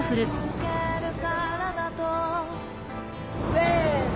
せの。